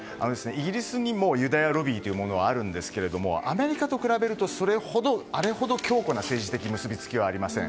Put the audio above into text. イギリスにもユダヤロビーというものはあるんですがアメリカと比べると、それほどあれほど強固な政治的結びつきはありません。